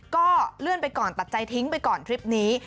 ก็เลื่อนไปก่อนตัดใจทิ้งไปก่อนทริปนี้